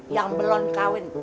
yang belum kawin